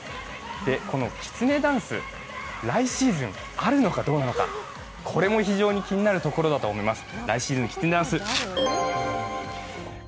このきつねダンス、来シーズンあるのかどうかこれも非常に気になるところだと思います。